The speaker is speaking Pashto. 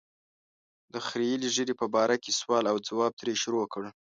د خرییلې ږیرې په باره کې سوال او ځواب ترې شروع کړ.